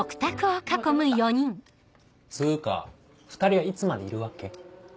つか２人はいつまでいるわけ？